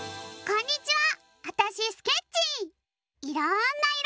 こんにちは！